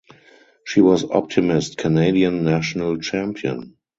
She was Optimist Canadian national champion.